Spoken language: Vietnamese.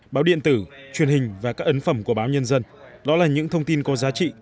báo điện tử truyền hình và các ấn phẩm của báo nhân dân đó là những thông tin có giá trị